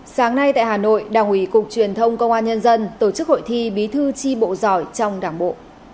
sáng nay tại hà nội đảng ủy cục truyền thông công an nhân dân tổ chức hội thi bí thư tri bộ giỏi trong đảng bộ